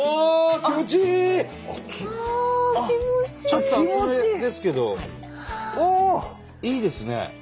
ちょっと熱めですけどいいですね。